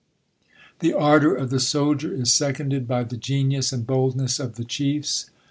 . The ardor of the soldier is seconded by the geinus| and boldness of the chiefs.